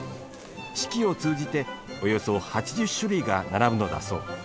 四季を通じておよそ８０種類が並ぶのだそう。